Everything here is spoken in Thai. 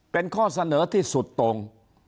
เป็นข้อเสนอที่สุดตรง